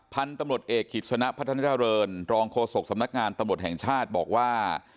พันธุ์ตำรวจเอกกิจสนะพัฒนาเจริญรองโฆษกสำนักงานตำรวจแห่งชาติบอกว่า